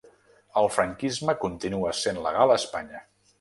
El franquisme continua essent legal a Espanya.